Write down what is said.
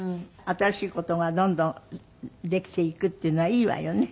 新しい事がどんどんできていくっていうのはいいわよね。